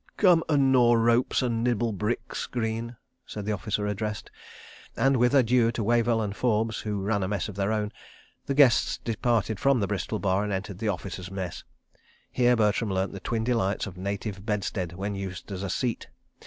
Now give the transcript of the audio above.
"Come and gnaw ropes and nibble bricks, Greene," said the officer addressed, and with adieux to Wavell and Forbes, who ran a mess of their own, the guests departed from the Bristol Bar and entered the Officers' Mess. Here Bertram learnt the twin delights of a native bedstead when used as a seat.